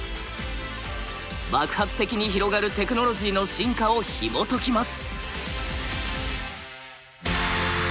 爆発的に広がるテクノロジーの進化をひもときます。